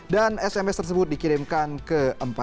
dan sms tersebut dikirimkan ke empat ribu empat ratus empat puluh empat